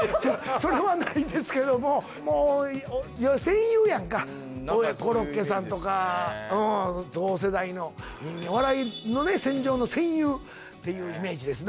それはないですけどももう戦友やんかコロッケさんとか同世代のっていうイメージですね